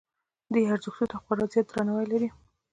دې ارزښتونو ته خورا زیات درناوی لري.